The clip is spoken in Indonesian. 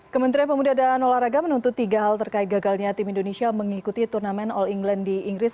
kementerian pemuda dan olahraga menuntut tiga hal terkait gagalnya tim indonesia mengikuti turnamen all england di inggris